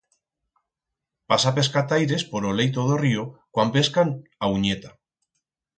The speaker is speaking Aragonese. Pasa pescataires por o leito d'o río cuan pescan a unyeta.